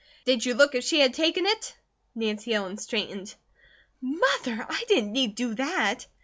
"Did you look if she had taken it?" Nancy Ellen straightened. "Mother! I didn't need do that!"